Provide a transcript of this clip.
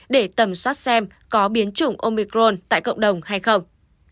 để tầm soát xem có biến chủng omicron tại cộng đồng hay không